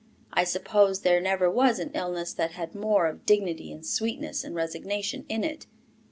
I suppose there never was an illness that had more of dignity and sweetness and resignation in it.